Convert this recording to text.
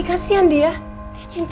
aku mau ngerti